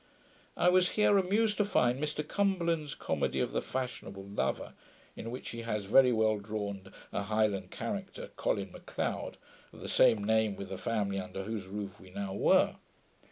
I was here amused to find Mr Cumberland's comedy of the Fashionable Lover, in which he has very well drawn a Highland character, Colin M'Cleod, of the same name with the family under whose roof we now were.